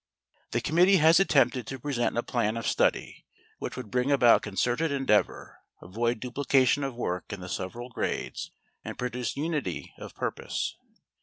The committee has attempted to present a plan of study which would bring about concerted endeavor, avoid duplication of work in the several grades, and produce unity of purpose.